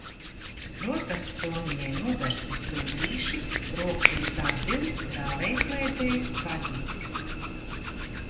Rokassomiņai noberzti stūrīši, rokturis apdilis, rāvējslēdzējs vaļīgs.